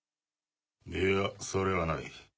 いやそれはない。